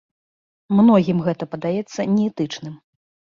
Многім гэта падаецца неэтычным.